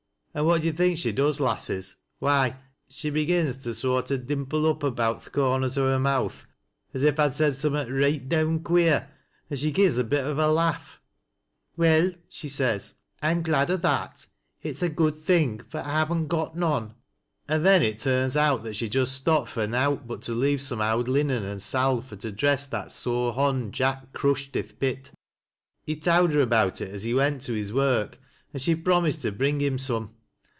And what do yo' think she does, lasses? Why, she begins to soart o' dimple up about th' corners o' her mouth as if I'd said summat reight down queer, an' she gi'es a bit o' a lafE. ' Well,' she says, ' I'm glad o' that. It's a good thing, fur I hav'ii't g(jt none.' An' then it turns out that she just stopped fur nowt but to leave some owd linen an' salve for to dress that sore hond Jack crushed i' th' pit. He'd towd her about it as he went to his work, and she promised to bring him some.